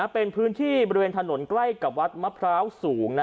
เป็นพื้นที่บริเวณถนนใกล้กับวัดมะพร้าวสูง